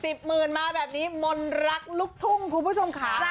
สิบหมื่นมาแบบนี้มนรักลุกทุงลูกผู้ชมขา